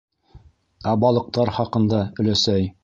- Ә балыҡтар хаҡында, өләсәй?